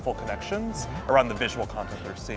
memiliki koneksi yang lebih penting di sekitar konteks visual